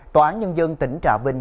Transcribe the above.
tòa án nhân dân tỉnh trà vinh